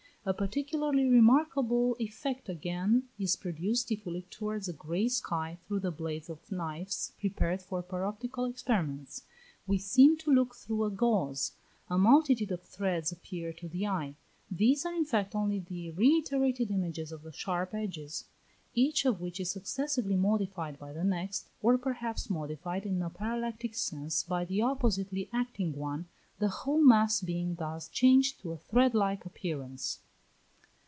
A particularly remarkable effect again is produced if we look towards a grey sky through the blades of knives prepared for paroptical experiments. We seem to look through a gauze; a multitude of threads appear to the eye; these are in fact only the reiterated images of the sharp edges, each of which is successively modified by the next, or perhaps modified in a parallactic sense by the oppositely acting one, the whole mass being thus changed to a thread like appearance.